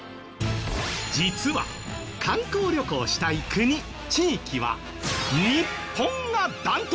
実は観光旅行したい国地域は日本がダントツ！